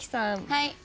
はい。